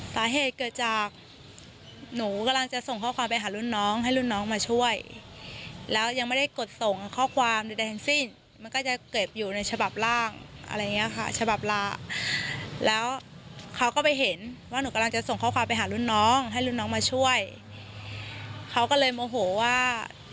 สาเหตุเกิดจากหนูกำลังจะส่งข้อความไปหารุ่นน้องให้รุ่นน้องมาช่วยแล้วยังไม่ได้กดส่งข้อความใดทั้งสิ้นมันก็จะเก็บอยู่ในฉบับร่างอะไรอย่างเงี้ยค่ะฉบับละแล้วเขาก็ไปเห็นว่าหนูกำลังจะส่งข้อความไปหารุ่นน้องให้รุ่นน้องมาช่วยเขาก็เลยโมโหว่า